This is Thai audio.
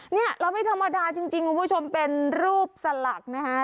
เนี่ยเราไม่ธรรมดาจริงคุณผู้ชมเป็นรูปสลักนะฮะ